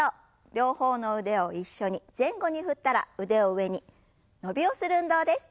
両方の腕を一緒に前後に振ったら腕を上に伸びをする運動です。